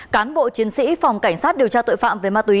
cán bộ chiến sĩ phòng cảnh sát điều tra tội phạm về ma túy